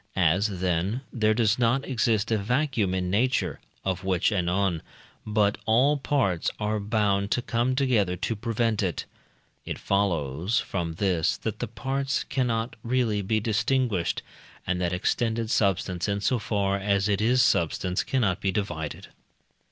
As, then, there does not exist a vacuum in nature (of which anon), but all parts are bound to come together to prevent it, it follows from this that the parts cannot really be distinguished, and that extended substance in so far as it is substance cannot be divided.